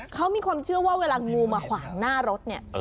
เขามีความเชื่อว่าเวลางูมาขวางหน้ารถเนี่ย